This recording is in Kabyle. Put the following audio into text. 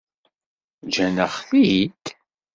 Ǧǧan-aɣ-t-id?